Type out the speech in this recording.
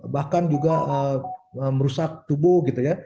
bahkan juga merusak tubuh gitu ya